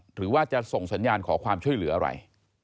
หรือว่าจะส่งสัญญาณขอความช่วยเหลืออะไร